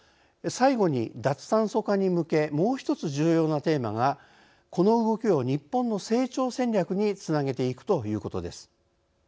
最後に脱炭素化に向けもう一つ重要なテーマがこの動きを日本の成長戦略につなげていくということです。